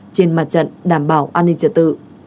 trên mặt trận đảm bảo an ninh trật tự